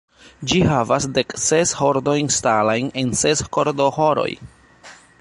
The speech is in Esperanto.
Ĝi havas dekses kordojn ŝtalajn en ses kordoĥoroj.